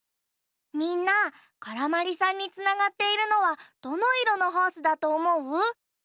みんなからまりさんにつながっているのはどのいろのホースだとおもう？